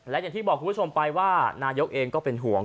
และอย่างที่บอกคุณผู้ชมไปว่านายกเองก็เป็นห่วง